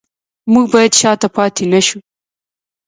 موږ باید شاته پاتې نشو